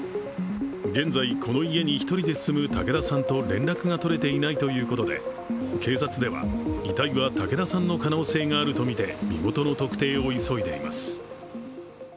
現在、この家に１人で住む武田さんと連絡が取れていないということで警察では、遺体は武田さんの可能性があるとみて身元の特定を急いでいます。